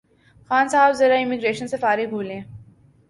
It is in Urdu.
خان صاحب ذرا امیگریشن سے فارغ ہولیں